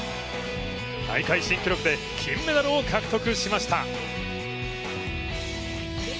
大会新記録で金メダルを獲得しました。